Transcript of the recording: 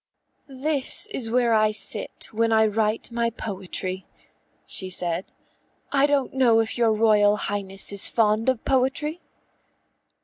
"This is where I sit when I write my poetry," she said. "I don't know if your Royal Highness is fond of poetry?"